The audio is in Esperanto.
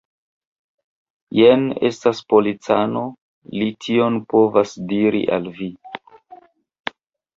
Jen estas policano; li tion povos diri al vi.